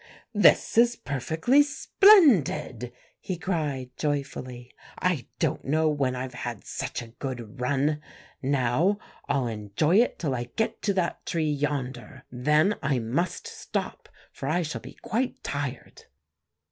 "'This is perfectly splendid!' he cried joyfully; 'I don't know when I've had such a good run. Now I'll enjoy it till I get to that tree yonder; then I must stop, for I shall be quite tired.